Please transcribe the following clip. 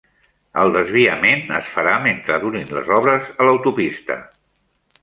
El desviament es farà mentre durin les obres a l'autopista